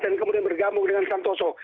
dan kemudian bergabung dengan santoso